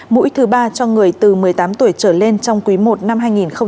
mũi thứ ba cho người từ một mươi tám tuổi trở lên trong quý i năm hai nghìn hai mươi